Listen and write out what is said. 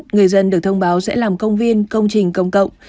người dân được thông báo sẽ làm công viên công trình công cộng